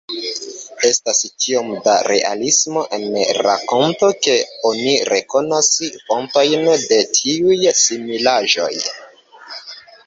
Estas tiom da realismo en tiu rakonto ke oni rekonas fontojn de tiuj similaĵoj.